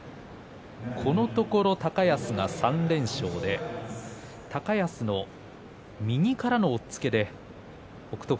このところ高安が３連勝で高安の右からの押っつけで北勝